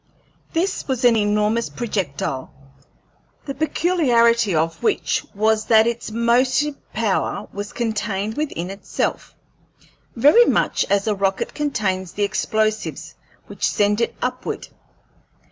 This was an enormous projectile, the peculiarity of which was that its motive power was contained within itself, very much as a rocket contains the explosives which send it upward.